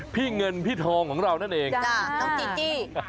พี่เงินพี่ทองของเรานั่นเองน้องจีจี้